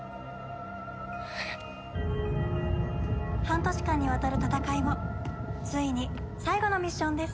半年間にわたる戦いもついに最後のミッションです。